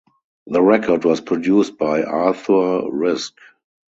The record was produced by Arthur Rizk.